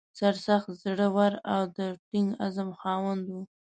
سرسخت، زړه ور او د ټینګ عزم خاوند و.